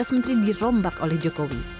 tujuh belas menteri dirombak oleh jokowi